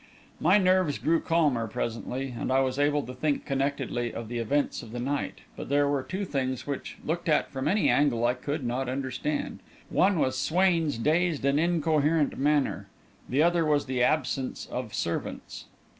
My nerves grew calmer, presently, and I was able to think connectedly of the events of the night, but there were two things which, looked at from any angle, I could not understand. One was Swain's dazed and incoherent manner; the other was the absence of servants.